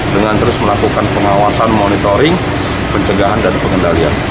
dengan terus melakukan pengawasan monitoring pencegahan dan pengendalian